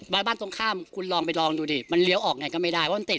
บ้านบ้านตรงข้ามคุณลองไปลองดูดิมันเลี้ยวออกไงก็ไม่ได้เพราะมันติด